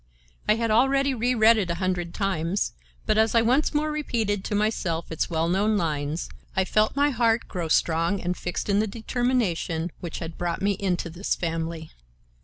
I had already re read it a hundred times, but as I once more repeated to myself its well known lines, I felt my heart grow strong and fixed in the determination which had brought me into this family.